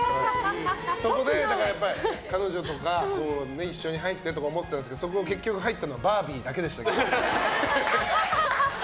そこで彼女とか一緒に入ってとか思ってたんですけどそこ、結局入ったのバービーだけでしたけど。